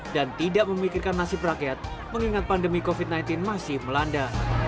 dan tidak memikirkan nasib rakyat mengingat pandemi covid sembilan belas masih melanda